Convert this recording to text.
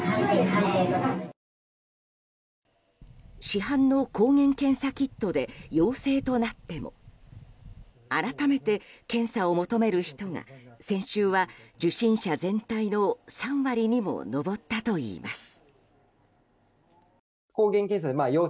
市販の抗原検査キットで陽性となっても改めて検査を求める人が先週は受診者全体の３割にも上ったといいます。